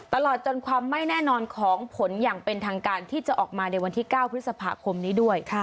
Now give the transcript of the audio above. ตลอดจนความไม่แน่นอนของผลอย่างเป็นทางการที่จะออกมาในวันที่๙พฤษภาคมนี้ด้วย